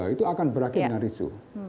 itu akan berakhir dengan risu